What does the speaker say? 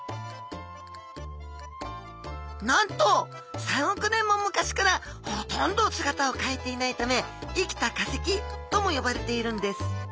なんと３億年も昔からほとんど姿を変えていないため生きた化石とも呼ばれているんです。